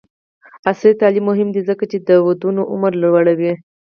عصري تعلیم مهم دی ځکه چې د ودونو عمر لوړوي.